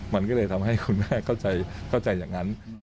มันก็เลยทำให้คุณแม่เข้าใจอย่างนั้น